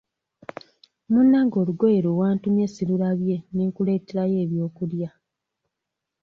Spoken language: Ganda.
Munnange olugoye lwe wantumye sirulabye ne nkuleeterayo ebyokulya.